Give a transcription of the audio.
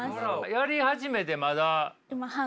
やり始めてまだ？